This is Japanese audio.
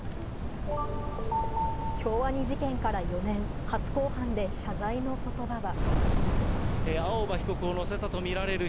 京アニ事件から４年、初公判で謝罪の言葉は。